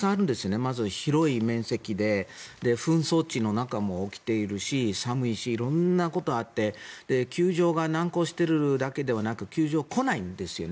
まず広い面積で紛争地の中も起きているし寒いし、色んなことがあって救助が難航しているだけじゃなく救助が来ないんです。